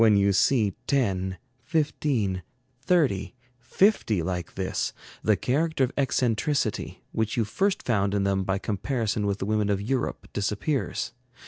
When you see ten, fifteen, thirty, fifty like this, the character of eccentricity, which you first found in them by comparison with the women of Europe, disappears.